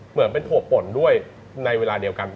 เหมือนเป็นถั่วป่นด้วยในเวลาเดียวกัน